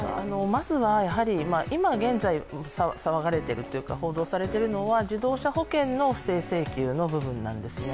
まずは今現在、騒がれているというか、報道されているのは自動車保険の不正請求の部分なんですね。